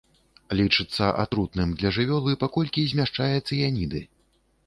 Лічыцца атрутным для жывёлы, паколькі змяшчае цыяніды.